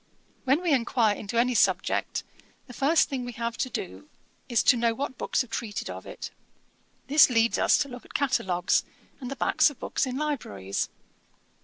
When we enquire into any subject, the first thing we have to do is to know what books have treated of it. This leads us to look at catalogues, and the backs of books in libraries.'